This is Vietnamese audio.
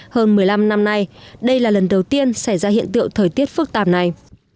hơn một mươi năm năm nay đây là lần đầu tiên xảy ra hiện tượng thời tiết phức tạp này